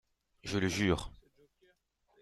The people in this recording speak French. Je le jure.